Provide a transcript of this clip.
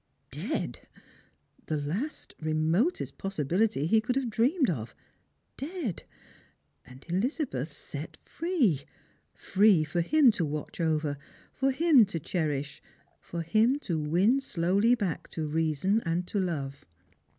Dead !— the last, remotest possibiUty he could have dreamed of — dead !_ And Ehzabeth set free, free foi him to watch over, for him to cherish, for him to win slowly back to reason and to love